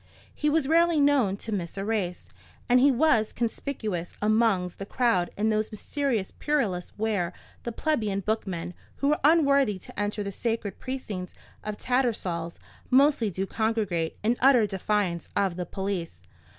He was rarely known to miss a race; and he was conspicuous amongst the crowd in those mysterious purlieus where the plebeian bookmen, who are unworthy to enter the sacred precincts of Tattersall's, mostly do congregate, in utter defiance of the police.